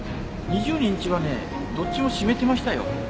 ２２日はねどっちも閉めてましたよ。